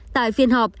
tại phiên họp